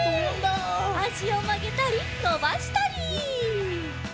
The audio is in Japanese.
あしをまげたりのばしたり！